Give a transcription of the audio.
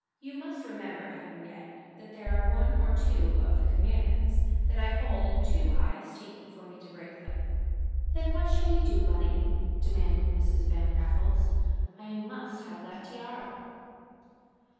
You must remember, Henriette, that there are one or two of the commandments that I hold in too high esteem to break them." "Then what shall we do, Bunny?" demanded Mrs. Van Raffles. "_I must have that tiara.